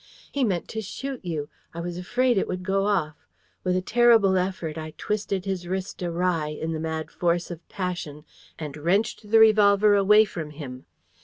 He meant to shoot you. I was afraid it would go off. With a terrible effort I twisted his wrist awry, in the mad force of passion, and wrenched the revolver away from him.